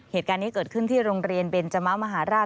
เหตุการณ์นี้เกิดขึ้นที่โรงเรียนเบนจมะมหาราช